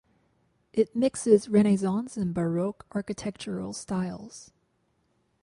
It mixes Renaissance and Baroque architectural styles.